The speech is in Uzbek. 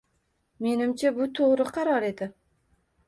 Menimcha bu to'g'ri qaror edi.